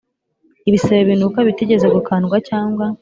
ibisebe binuka, bitigeze gukandwa cyangwa